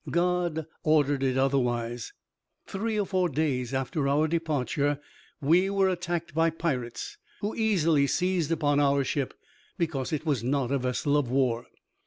God ordered it otherwise. Three or four days after our departure we were attacked by pirates, who easily seized upon our ship, because it was not a vessel of war.